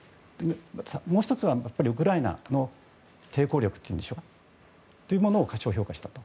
もう１つはウクライナの抵抗力というものを過小評価したと。